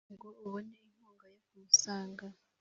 ngo ubone inkunga yo kumusanga